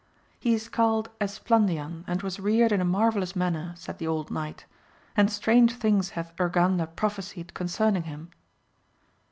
He is called Esplandian, and was reared in a marvel lous manner, said the old knight, and strange things hath Urganda prophecied concerning him.